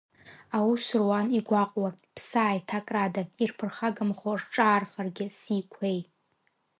Аус руан игәаҟуа, ԥсааиҭакрада, ирԥырхагамхо рҿаархаргьы си қәеи.